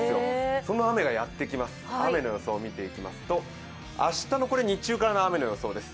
その雨がやってきます、雨の予想見ていきますと明日の日中からの雨の予想です。